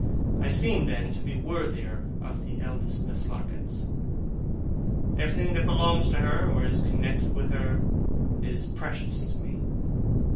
I seem, then, to be worthier of the eldest Miss Larkins. Everything that belongs to her, or is connected with her, is precious to me.